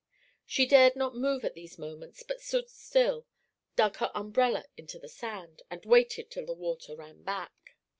She dared not move at these moments, but stood still, dug her umbrella into the sand, and waited till the water ran back.